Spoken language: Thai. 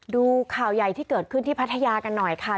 ดูข่าวใหญ่ที่เกิดขึ้นที่พัทยากันหน่อยค่ะ